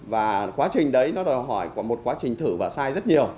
và quá trình đấy nó đòi hỏi của một quá trình thử và sai rất nhiều